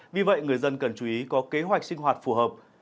vì vậy người dân cần chú ý có kế hoạch sinh hoạt phù hợp